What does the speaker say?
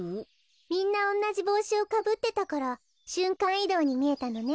みんなおんなじぼうしをかぶってたからしゅんかんいどうにみえたのね。